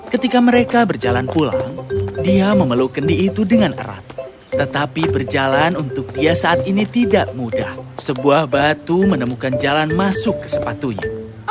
ketika mereka berjalan pulang dia memeluk kendi itu dengan erat tetapi berjalan untuk dia saat ini tidak mudah sebuah batu menemukan jalan masuk ke sepatunya